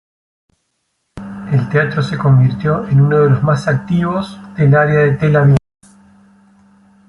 El teatro se convirtió en uno de los más activos del área de Tel-Aviv.